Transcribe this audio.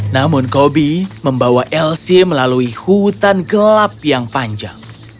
namun kobi membawa elsie melalui hutan gelap yang panjang